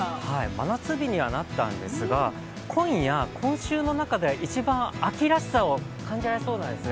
真夏日にはなったんですが、今夜、今週の中では一番秋らしさを感じられそうなんですね。